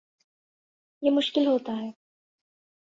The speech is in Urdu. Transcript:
یہ مشکل ہوتا ہے